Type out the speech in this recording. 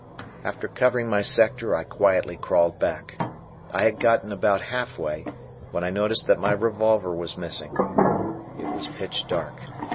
After covering my sector I quietly crawled back. I had gotten about half way, when I noticed that my revolver was missing. It was pitch dark.